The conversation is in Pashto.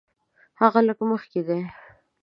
هغه لږ مخکې دی.